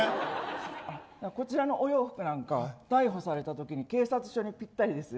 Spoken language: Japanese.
こちらのお洋服なんか逮捕された時に警察署にぴったりですよ。